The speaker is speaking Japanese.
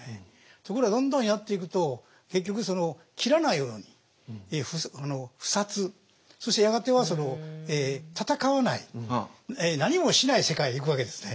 ところがどんどんやっていくと結局斬らないように不殺そしてやがては戦わない何もしない世界へ行くわけですね。